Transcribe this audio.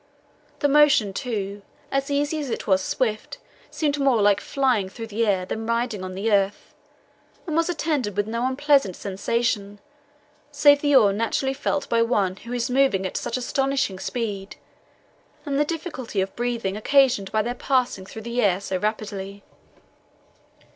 The motion, too, as easy as it was swift, seemed more like flying through the air than riding on the earth, and was attended with no unpleasant sensation, save the awe naturally felt by one who is moving at such astonishing speed, and the difficulty of breathing occasioned by their passing through the air so rapidly.